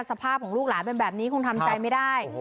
สภาพของลูกหลานเป็นแบบนี้คงทำใจไม่ได้